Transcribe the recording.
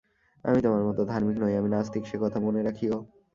আমি তোমার মতো ধার্মিক নই, আমি নাস্তিক, সে কথা মনে রাখিয়ো।